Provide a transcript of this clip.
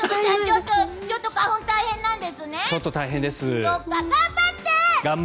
ちょっと花粉、大変なんですね。頑張って！